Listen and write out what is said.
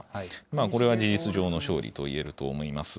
これは事実上の勝利と言えると思います。